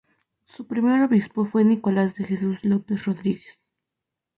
Su primer obispo fue Nicolás de Jesús López Rodríguez.